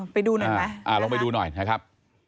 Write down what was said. ไปโชว์เลยนะครับ